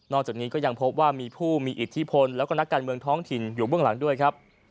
จากนี้ก็ยังพบว่ามีผู้มีอิทธิพลแล้วก็นักการเมืองท้องถิ่นอยู่เบื้องหลังด้วยครับ